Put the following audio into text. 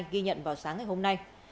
ghi nhận vào sáng ngày hôm nay